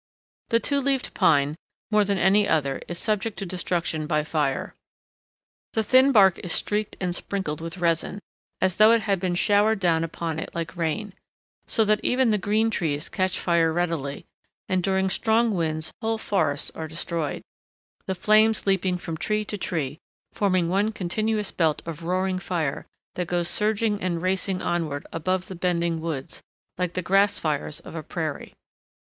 The Two leaved Pine, more than any other, is subject to destruction by fire. The thin bark is streaked and sprinkled with resin, as though it had been showered down upon it like rain, so that even the green trees catch fire readily, and during strong winds whole forests are destroyed, the flames leaping from tree to tree, forming one continuous belt of roaring fire that goes surging and racing onward above the bending woods, like the grass fires of a prairie.